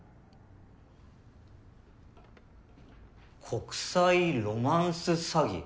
国際ロマンス詐欺？